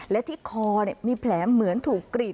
และที่คอมีแผลเหมือนถูกกรีด